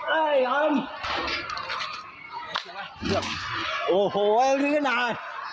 เอ่ยอะดำ